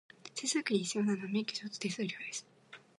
手続きに必要なのは、免許証と手数料です。